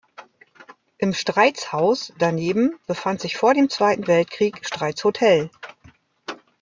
Im "Streits-Haus" daneben befand sich vor dem Zweiten Weltkrieg Streits Hotel.